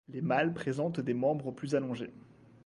Les mâles présentent des membres plus allongés.